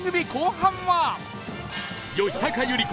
吉高由里子